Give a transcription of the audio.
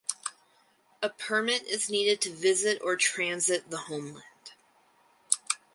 A permit is needed to visit or transit the homeland.